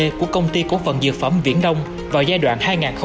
cổ phiếu dvd của công ty cổ phần dược phẩm viễn đông vào giai đoạn hai nghìn một mươi